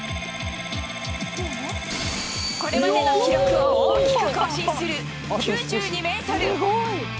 これまでの記録を大きく更新する９２メートル。